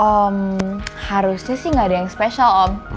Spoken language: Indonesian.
om harusnya sih nggak ada yang spesial om